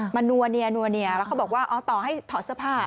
มานัวเนียแล้วเขาบอกว่าต่อให้ถอดเสื้อผ้า